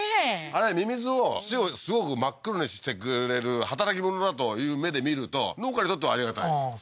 あれミミズを土をすごく真っ黒にしてくれる働き者だという目で見ると農家にとってはありがたいああー